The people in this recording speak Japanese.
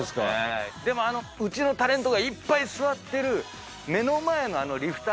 でもあのうちのタレントがいっぱい座ってる。